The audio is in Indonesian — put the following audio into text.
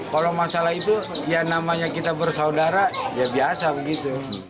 kalau masalah itu ya namanya kita bersaudara ya biasa begitu